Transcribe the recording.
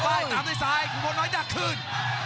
เดินไปตามด้วยซ้ายขึ้นบนน้อยดักขึ้น